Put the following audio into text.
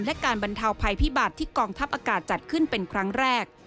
และการบรรเทาภัยพิบัติที่กองทัพอากาศจัดขึ้นเป็นครั้งแรก